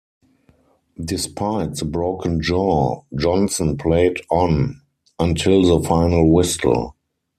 Despite the broken jaw, Johnson played on until the final whistle.